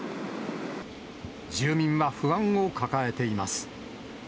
住民は不安を抱えています。